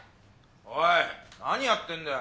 おいなにやってんだよ！